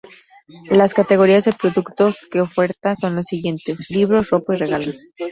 Las categorías de productos que oferta son los siguientes: libros, ropa y regalos.